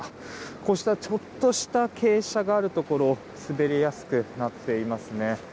こうしたちょっとした傾斜があるところ滑りやすくなっています。